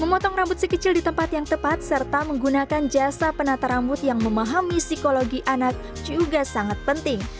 memotong rambut si kecil di tempat yang tepat serta menggunakan jasa penata rambut yang memahami psikologi anak juga sangat penting